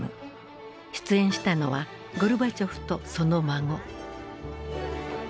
出演したのはゴルバチョフとその孫。